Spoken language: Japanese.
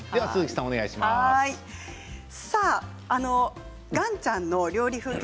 さあ、岩ちゃんの料理風景